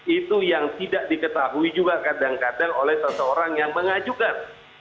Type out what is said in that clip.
itu yang tidak diketahui juga kadang kadang oleh seseorang yang mengajukan